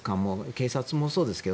警察もそうですが。